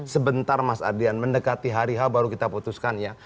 sebentar mas ardian mendekati hari ha baru kita putuskannya